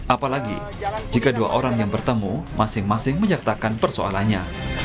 apalagi jika dua orang yang bertemu masing masing menyertakan persoalannya